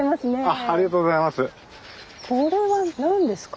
ありがとうございます。